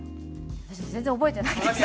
私全然覚えてないです。